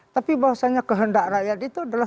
tapi bahwasanya kehendak rakyat itu adalah